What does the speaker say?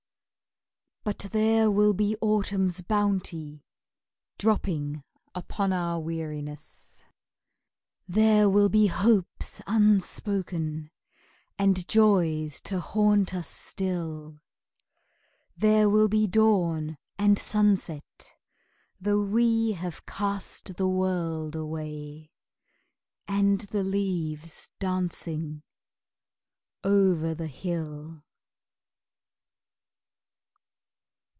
But there will be autumn's bounty Dropping upon our weariness, There will be hopes unspoken And joys to haunt us still; There will be dawn and sunset Though we have cast the world away, And the leaves dancing Over the hill.